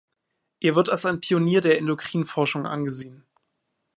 Er wird als ein Pionier der Endokrin-Forschung angesehen.